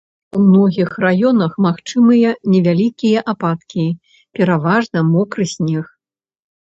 У многіх раёнах магчымыя невялікія ападкі, пераважна мокры снег.